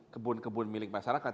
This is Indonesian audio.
kebun kebun milik masyarakat